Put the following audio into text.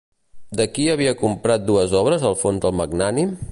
De qui havia comprat dues obres Alfons el Magnànim?